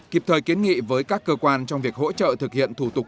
kịp thời kiến nghị với các cơ quan trong việc hỗ trợ thực hiện thủ tục